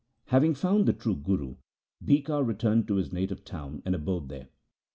Having found the true Guru, Bhikha re turned to his native town and abode there.